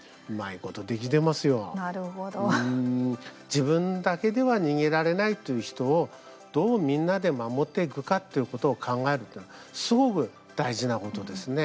自分だけでは逃げられないという人を、どうみんなで守っていくかっていうことを考えるってのはすごく大事なことですね。